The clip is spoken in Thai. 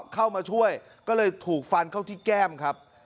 เข้ามาช่วยก็เลยถูกฟันเข้าที่แก้มครับ